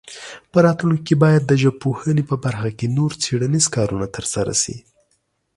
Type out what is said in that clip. په راتلونکي کې باید د ژبپوهنې په برخه کې نور څېړنیز کارونه ترسره شي.